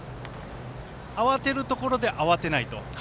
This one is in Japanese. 慌てるところで慌てないと。